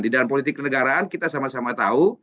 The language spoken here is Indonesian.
di dalam politik kenegaraan kita sama sama tahu